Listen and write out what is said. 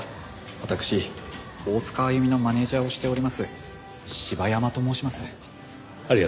私大塚あゆみのマネジャーをしております柴山と申します。